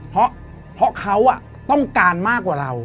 เพราะเขาต้องการมากกว่าเรา